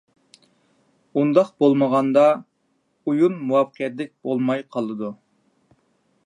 ئۇنداق بولمىغاندا، ئويۇن مۇۋەپپەقىيەتلىك بولماي قالىدۇ.